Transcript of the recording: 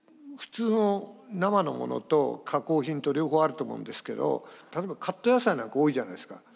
普通の生のものと加工品と両方あると思うんですけど例えばカット野菜なんか多いじゃないですか。